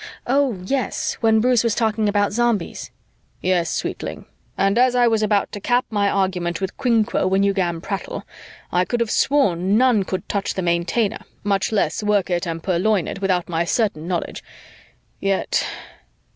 Oh, yes, when Bruce was talking about Zombies." "Yes, sweetling. And as I was about to cap my argument with quinquo when you 'gan prattle, I could have sworn none could touch the Maintainer, much less work it and purloin it, without my certain knowledge. Yet